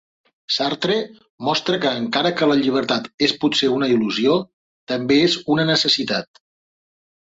Sartre mostra que encara que la llibertat és potser una il·lusió, també és una necessitat.